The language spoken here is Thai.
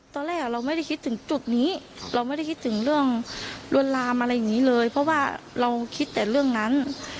ตอนแรกเราไม่ได้คิดถึงจุดนี้เราไม่ได้คิดถึงเรื่องลวนลามอะไรอย่างนี้เลยเพราะว่าเราคิดแต่เรื่องนั้น